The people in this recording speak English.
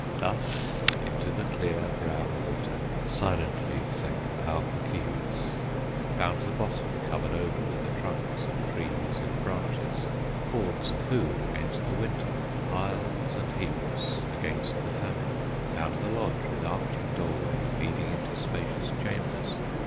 Thus into the clear, brown water Silently sank Pau Puk Keewis: Found the bottom covered over With the trunks of trees and branches, Hoards of food against the winter, Piles and heaps against the famine; Found the lodge with arching doorway, Leading into spacious chambers.